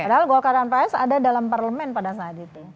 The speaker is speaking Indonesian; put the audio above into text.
padahal golkar dan ps ada dalam parlemen pada saat itu